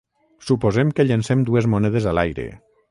Suposem que llencem dues monedes a l'aire.